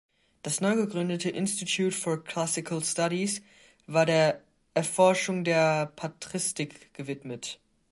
Das neu gegründete Institute for Classical Studies war der Erforschung der Patristik gewidmet.